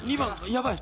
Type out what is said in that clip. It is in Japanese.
やばい。